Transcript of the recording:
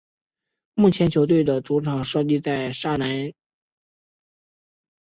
目前球队的主场设立在莎亚南体育场。